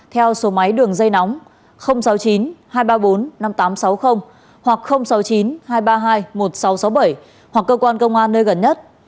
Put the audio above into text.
theo số máy đường dây nóng sáu mươi chín hai trăm ba mươi bốn năm nghìn tám trăm sáu mươi hoặc sáu mươi chín hai trăm ba mươi hai một nghìn sáu trăm sáu mươi bảy hoặc cơ quan công an nơi gần nhất